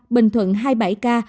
bình thuận hai mươi bảy ca